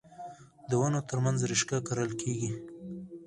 د ونو ترمنځ رشقه کرل کیږي.